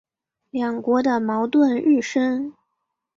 两国的矛盾日深。